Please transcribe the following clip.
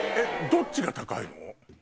どっちが高いの？